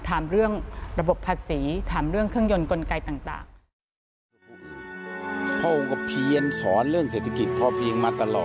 ถามเรื่องระบบภาษีถามเรื่องเครื่องยนต์กลไกต่าง